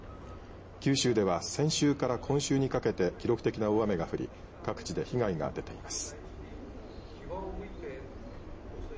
九州では先週から今週にかけて記録的な大雨が降り各地で被害が出ています。